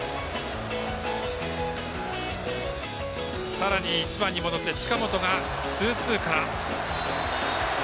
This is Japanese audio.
さらに１番に戻って、近本がツーツーから。